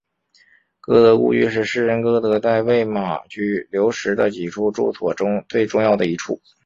歌德故居是诗人歌德在魏玛居留时的几处住所中最重要的一处。